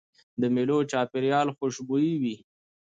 د مېلو چاپېریال خوشبويه وي.